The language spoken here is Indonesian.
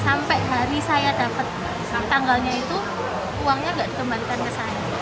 sampai hari saya dapat tanggalnya itu uangnya nggak dikembalikan ke saya